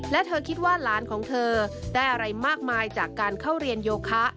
และเธอคิดว่าหลานของเธอได้อะไรมากมายจากการเข้าเรียนโยคะ